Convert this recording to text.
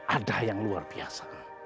ada yang luar biasa